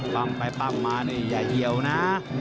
ปั๊มไปปั๊มมาอย่าเยียวนะ